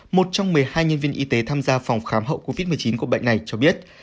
một trong một mươi hai nhân viên y tế tham gia phòng khám hậu covid một mươi chín của bệnh này cho biết